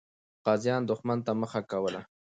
غازیان دښمن ته مخه کوله.